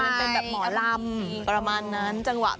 เป็นแบบหมอลำประมาณนั้นจังหวะ